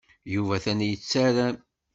Yuba atan la yettarem.